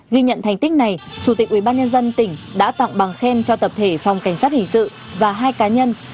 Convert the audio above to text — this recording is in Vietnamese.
ghi nhận thành tích này chủ tịch ubnd tỉnh đã tặng bằng khen cho tập thể phòng cảnh sát hình sự và hai cá nhân